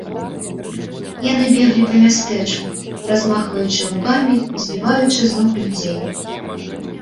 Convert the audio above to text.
Яны беглі па мястэчку, размахваючы рукамі, збіваючы з ног людзей.